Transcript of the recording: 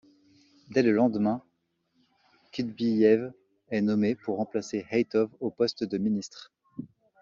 Dès le lendemain, Qudbiyev est nommé pour remplacer Haitov au poste de ministre.